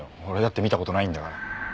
俺だって見た事ないんだから。